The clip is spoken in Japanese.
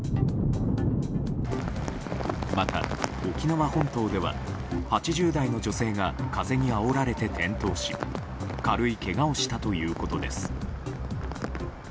また、沖縄本島では８０代の女性が風におられて転倒し軽いけがをしたということです。